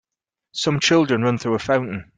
Some children run through a fountain.